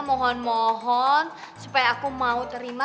mohon mohon supaya aku mau terima